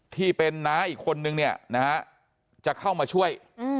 ที่เป็นน้าอีกคนนึงจะเข้ามาช่วย